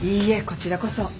こちらこそ。